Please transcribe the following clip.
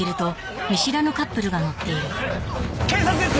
警察です。